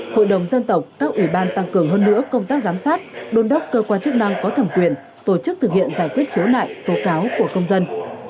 hội đồng dân tộc các ủy ban tăng cường hơn nữa công tác giám sát đôn đốc cơ quan chức năng có thẩm quyền tổ chức thực hiện giải quyết khiếu nại tố cáo của công dân